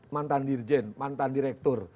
mantan dirjen mantan direktur